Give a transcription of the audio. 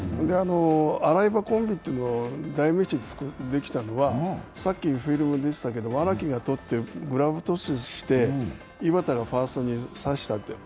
アライバコンビというのを代名詞にできたのはさっきフィルムに出てきたけど荒木がとってグラブトスして井端がファーストにさしたという。